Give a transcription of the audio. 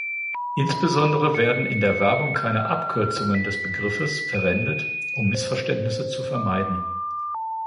Insbesondere werden in der Werbung keine Abkürzungen des Begriffes verwendet, um Missverständnisse zu vermeiden.